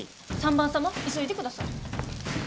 ３番様急いでください。